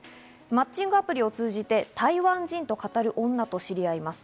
マッチングアプリを通じて台湾人と語る女と知り合います。